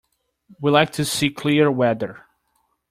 We like to see clear weather.